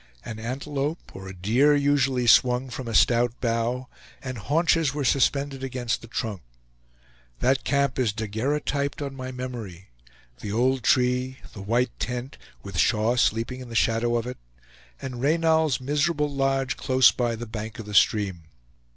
An antelope or a deer usually swung from a stout bough, and haunches were suspended against the trunk. That camp is daguerreotyped on my memory; the old tree, the white tent, with Shaw sleeping in the shadow of it, and Reynal's miserable lodge close by the bank of the stream.